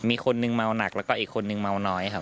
มีคนนึงเมาหนักแล้วก็อีกคนนึงเมาน้อยครับ